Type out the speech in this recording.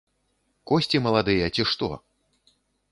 Косці маладыя, ці што!